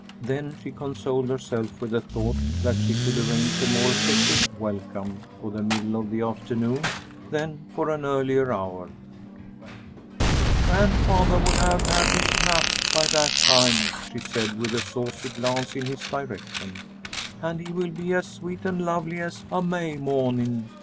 Then she consoled herself with the thought that she could arrange a more effective welcome for the middle of the afternoon than for an earlier hour. "Grandfathah will have had his nap by that time," she said, with a saucy glance in his direction, "and he will be as sweet and lovely as a May mawning.